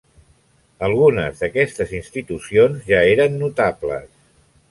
Algunes d'aquestes institucions ja eren notables.